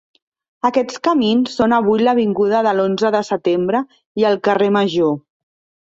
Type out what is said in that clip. Aquests camins són avui l'avinguda de l'Onze de Setembre i el carrer Major.